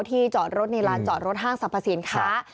จอดรถในลานจอดรถห้างสรรพสินค้า